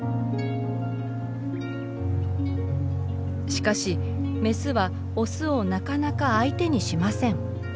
しかしメスはオスをなかなか相手にしません。